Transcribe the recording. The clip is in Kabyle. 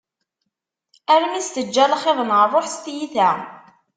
Armi s-teǧǧa lxiḍ n rruḥ s tiyita.